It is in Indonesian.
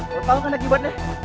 lo tau kan akibatnya